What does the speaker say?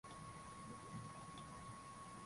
Ofisi yangu ni kubwa mno